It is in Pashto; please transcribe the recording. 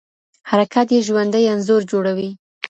حرکات یې ژوندی انځور جوړوي.